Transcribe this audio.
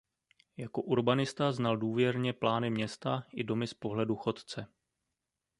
Jako urbanista znal důvěrně plány města i domy z pohledu chodce.